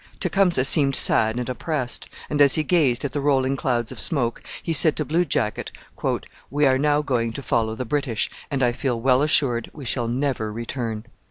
Tecumseh seemed sad and oppressed; and as he gazed at the rolling clouds of smoke he said to Blue Jacket: 'We are now going to follow the British, and I feel well assured we shall never return.'